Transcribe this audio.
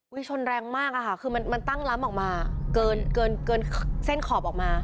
ชนแรงมากอะค่ะคือมันตั้งล้ำออกมาเกินเกินเส้นขอบออกมา